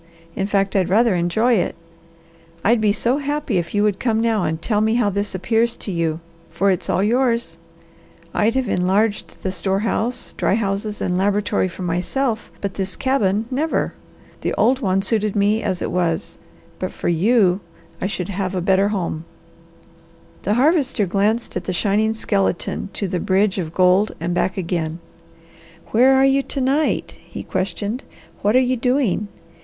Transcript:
In fact, I'd rather enjoy it. I'd be so happy if you would come now and tell me how this appears to you, for it's all yours. I'd have enlarged the store room, dry houses and laboratory for myself, but this cabin, never! The old one suited me as it was; but for you I should have a better home." The Harvester glanced from the shining skeleton to the bridge of gold and back again. "Where are you to night?" he questioned. "What are you doing?